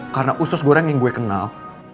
karena usus goreng yang gue kenal